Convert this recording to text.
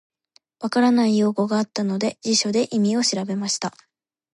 分からない用語があったので、辞書で意味を調べました。